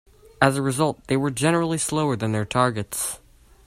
As a result, they were generally slower than their targets.